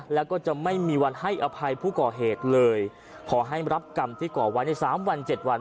แล้วก็จะไม่มีวันให้อภัยผู้ก่อเหตุเลยขอให้รับกรรมที่ก่อไว้ในสามวันเจ็ดวัน